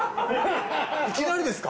いきなりですか？